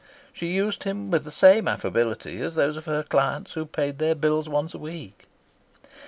She used him with the same affability as those of her clients who paid their bills once a week.